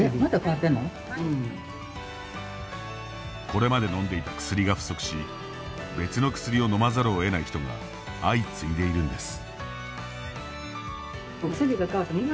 これまで飲んでいた薬が不足し別の薬を飲まざるを得ない人が相次いでいるんです。